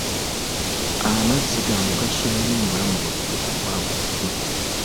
Amazzi ga mugaso nnyo mu bulamu bwaffe obwa bulijjo.